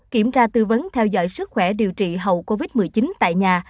kiểm tra tư vấn theo dõi sức khỏe điều trị hậu covid một mươi chín tại nhà